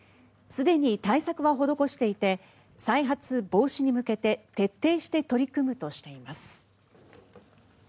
すでに対策は施していて再発防止に向けて徹底して取り組むとしています。